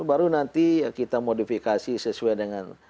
baru nanti kita modifikasi sesuai dengan